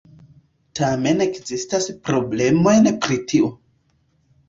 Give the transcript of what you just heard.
Tamen ekzistas problemoj pri tio.